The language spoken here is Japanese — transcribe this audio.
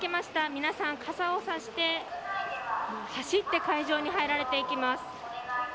皆さん傘を差して、走って会場に入られていきます。